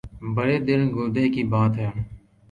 بڑے دل گردے کی بات ہے۔